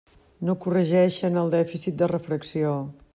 No corregeixen el dèficit de refracció.